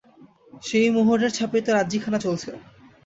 সেই মোহরের ছাপেই তো রাজ্যিখানা চলছে।